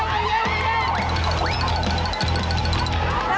เร็วเข้า